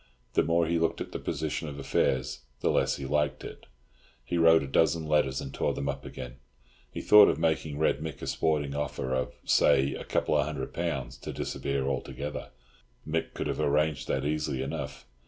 The more he looked at the position of affairs, the less he liked it. He wrote a dozen letters, and tore them up again. He thought of making Red Mick a sporting offer of, say, a couple of hundred pounds, to disappear altogether—Mick could have arranged that easily enough.